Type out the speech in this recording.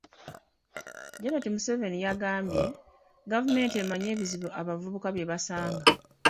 Janet Museveni yagambye, gavumenti emanyi ebizibu abavuka bye basanga.